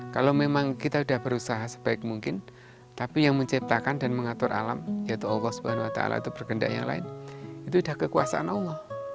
kalau memang kita sudah berusaha sebaik mungkin tapi yang menciptakan dan mengatur alam yaitu allah swt berkendak yang lain itu sudah kekuasaan allah